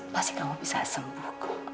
pasti kamu bisa sembuhku